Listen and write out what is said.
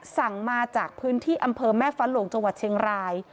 สั่งมาจากพื้นที่อำเภอแม่ฟ้าหลวงจังหวัดเชียงราย